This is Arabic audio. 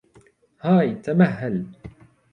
هاي! تمهل.